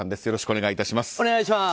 よろしくお願いします。